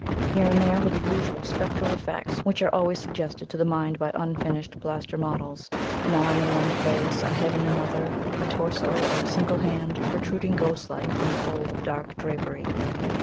Here and there were the usual spectral effects which are always suggested to the mind by unfinished plaster models an arm in one place, a head in another; a torso, or a single hand, protruding ghost like from a fold of dark drapery.